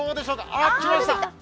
あっ、きました